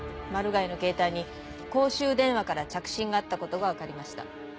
マル害の携帯に公衆電話から着信があったことがわかりました。